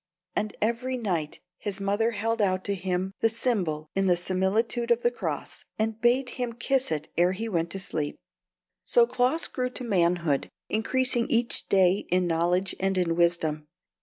And every night his mother held out to him the symbol in the similitude of the cross, and bade him kiss it ere he went to sleep. So Claus grew to manhood, increasing each day in knowledge and in wisdom.